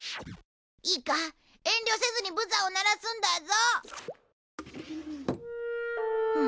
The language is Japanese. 遠慮せずにブザーを鳴らすんだぞ。